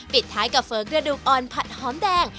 ปิดท้ายกับเฟ้อกระดูกอ่อนผัดหอมแดง